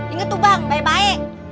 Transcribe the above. ingat tuh bang baik baik